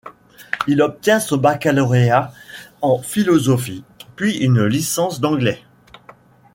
Il obtient son baccalauréat en philosophie, puis une licence d'anglais.